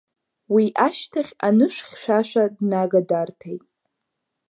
Уи ашьҭахь анышә хьшәашәа днага дарҭеит.